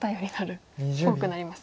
多くなりますね。